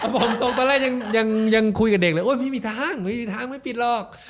บอกตรงตอนแรกยังคุยกับเด็กเลยไม่มีทางไม่มีทางไม่ปิดหรอก